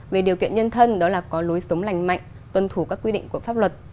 về điều kiện nhân thân đó là có lối sống lành mạnh tuân thủ các quy định của pháp luật